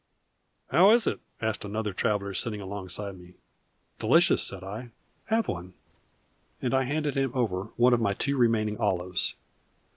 "How is it?" asked another traveler, sitting alongside me. "Delicious!" said I. "Have one." And I handed him over one of my two remaining olives.